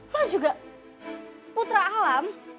lo juga putra alam